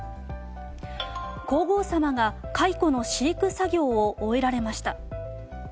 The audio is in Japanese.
皇后さまが蚕の飼育作業を終えられました。